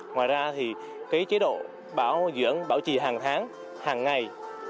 ngoài ra thì cái chế độ bảo dưỡng bảo trì hàng tháng hàng ngày